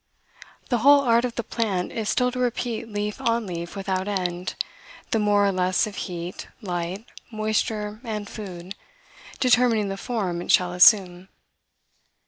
The whole art of the plant is still to repeat leaf on leaf without end, the more or less of heat, light, moisture, and food, determining the form it shall assume.